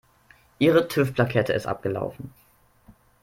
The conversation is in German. Ihre TÜV-Plakette ist abgelaufen.